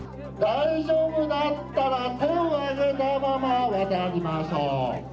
大丈夫だったら手を上げたまま渡りましょう。